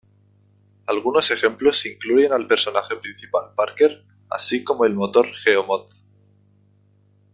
Algunos ejemplos incluyen al personaje principal Parker así como el motor Geo-Mod.